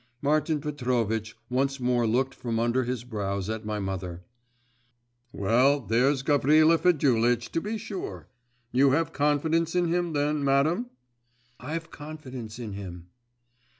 Martin Petrovitch once more looked from under his brows at my mother. 'Well, there's Gavrila Fedulitch, to be sure! You have confidence in him, then, madam?' 'I've confidence in him.